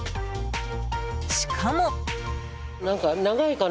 しかも。